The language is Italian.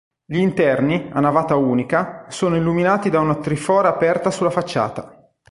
Gli interni, a navata unica, sono illuminati da una trifora aperta sulla facciata.